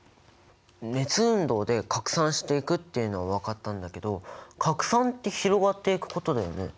熱運動で拡散していくっていうのは分かったんだけど拡散って広がっていくことだよね？